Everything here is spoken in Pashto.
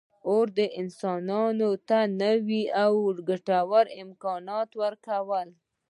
اور انسانانو ته نوي او ګټور امکانات ورکړل.